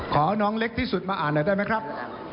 ขอน้องเล็กที่สุดมาอ่านหน่อยได้ไหมครับ